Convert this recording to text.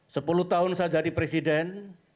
sepuluh tahun saya jadi presiden